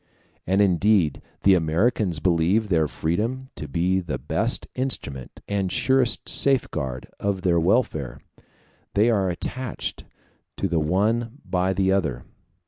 And indeed the Americans believe their freedom to be the best instrument and surest safeguard of their welfare: they are attached to the one by the other.